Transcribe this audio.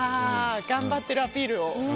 頑張ってるアピールを。